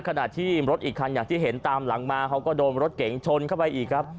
ขณะที่รถอีกคันอย่างที่เห็นตามหลังมาเขาก็โดนรถเก๋งชนเข้าไปอีกครับ